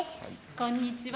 こんにちは。